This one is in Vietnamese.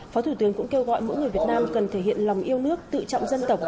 phó thủ tướng cũng kêu gọi mỗi người việt nam cần thể hiện lòng yêu nước tự trọng dân tộc